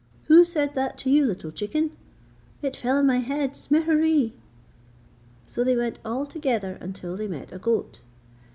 'Who said that to you, little chicken?' 'It fell on my head, Smereree!' So they went all together until they met a goat.